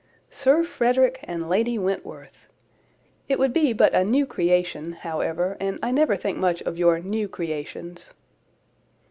Sir Frederick and Lady Wentworth! It would be but a new creation, however, and I never think much of your new creations."